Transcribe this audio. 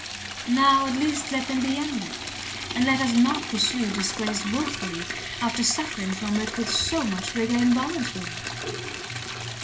Now, at least, let them be ended, and let us not pursue disgrace wilfully, after suffering from it with so much rigour involuntarily."